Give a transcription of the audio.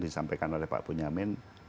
disampaikan oleh pak bunyamin